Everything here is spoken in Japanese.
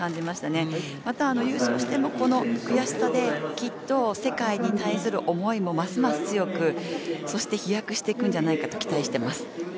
また、優勝してもこの悔しさできっと世界に対する思いもますます強くそして飛躍していくんじゃないかと期待しています。